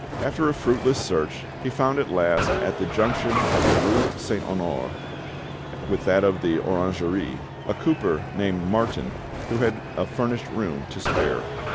After a fruitless search, he found at last, at the junction of the rue Saint Honore with that of the Orangerie, a cooper named Martin, who had a furnished room to spare.